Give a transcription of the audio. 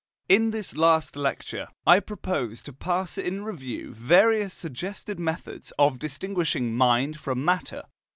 In this last lecture I propose to pass in review various suggested methods of distinguishing mind from matter.